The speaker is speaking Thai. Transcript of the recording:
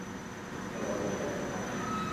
มารอดูแถลงครับ